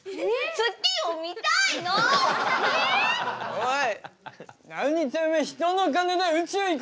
おい！